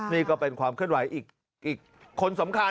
นี่ก็เป็นความเคลื่อนไหวอีกคนสำคัญ